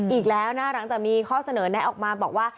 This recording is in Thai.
อีกแล้วนะหลังจากมีข้อเสนอแนะออกมาบอกว่า